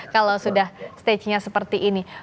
kalau sudah stagenya seperti ini